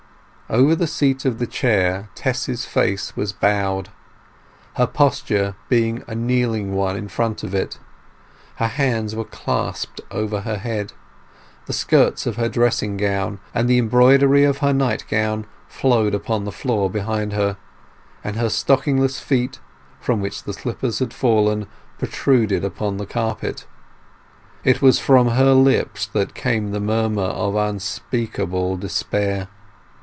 Over the seat of the chair Tess's face was bowed, her posture being a kneeling one in front of it; her hands were clasped over her head, the skirts of her dressing gown and the embroidery of her night gown flowed upon the floor behind her, and her stockingless feet, from which the slippers had fallen, protruded upon the carpet. It was from her lips that came the murmur of unspeakable despair.